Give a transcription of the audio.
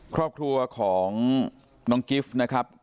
ครอบครัวของน้องกิฟต์นะครับ